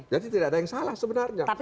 jadi tidak ada yang salah sebenarnya